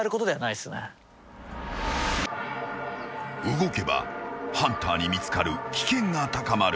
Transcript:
［動けばハンターに見つかる危険が高まる］